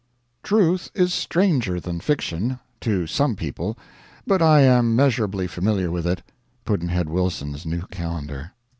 Truth is stranger than fiction to some people, but I am measurably familiar with it. Pudd'nhead Wilson's New Calendar.